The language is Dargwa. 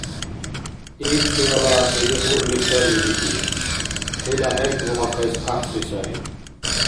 ИкӀ цурала хӀи дикьурли сари, – бикӀи. – ХӀила хӀеркӀбухъахъес гӀяхӀси сай.